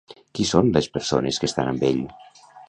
Qui són les persones que estan amb ell?